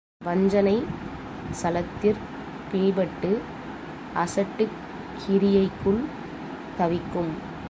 வஞ்சனை சளத்திற் பிணிபட்டு அசட்டுக் கிரியைக்குள் தவிக்கும்.